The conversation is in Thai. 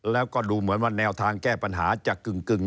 แล้วก็ดูเหมือนว่าแนวทางแก้ปัญหาจะกึ่ง